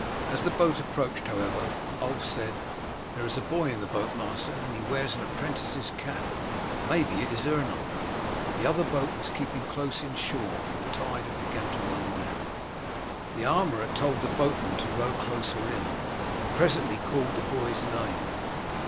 As the boat approached, however, Ulf said: "There is a boy in the boat, master, and he wears an apprentice's cap. Maybe that it is Ernulf." The other boat was keeping close inshore, for the tide had begun to run down. The armourer told the boatman to row closer in, and presently called the boy's name.